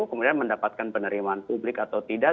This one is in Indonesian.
kemudian mendapatkan penerimaan publik atau tidak